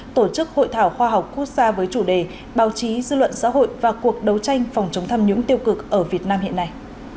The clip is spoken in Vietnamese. tổ chức hội thảo khoa học quốc gia với chủ đề báo chí dư luận xã hội và cuộc đấu tranh phòng chống tham nhũng tiêu cực ở việt nam hiện nay